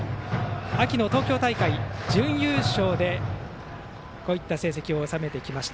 秋の東京大会、準優勝でこういった成績を収めました。